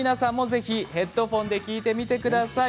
ぜひヘッドホンで聞いてみてください。